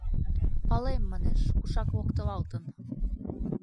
— Палем, манеш, кушак локтылалтын!